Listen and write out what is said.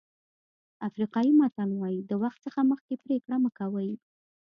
افریقایي متل وایي د وخت څخه مخکې پرېکړه مه کوئ.